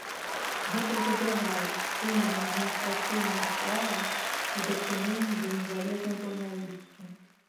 Гэта ўжо другая спыненая адміністрацыйная справа ў дачыненні да незалежнай журналісткі.